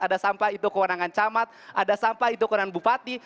ada sampah itu kewenangan camat ada sampah itu kewenangan bupati